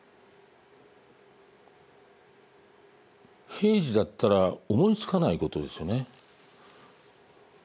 平時だったら思いつかないことですよね。